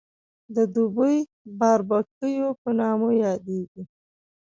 د دوبۍ باربکیو په نامه یادېږي.